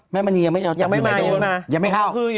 แม่มะนียังไม่เอายังไม่เข้า